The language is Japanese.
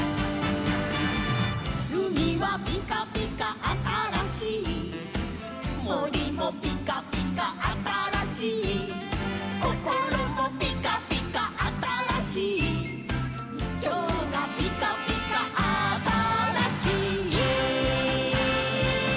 「うみはぴかぴかあたらしい」「もりもぴかぴかあたらしい」「こころもぴかぴかあたらしい」「きょうがぴかぴかあたらしい」